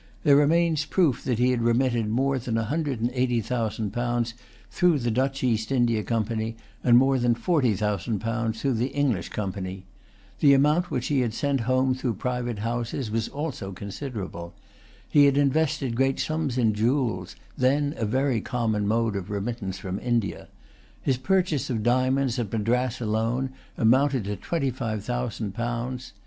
There remains proof that he had remitted more than a hundred and eighty thousand pounds through the Dutch East India Company, and more than forty thousand pounds through the English Company. The amount which he had sent home through private houses was also considerable. He had invested great sums in jewels, then a very common mode of remittance from India. His purchases of diamonds, at Madras alone, amounted to twenty five thousand pounds.